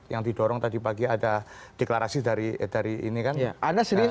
yang didorong tadi pagi ada deklarasi dari ini kan